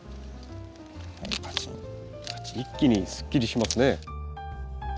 一気にすっきりしますね。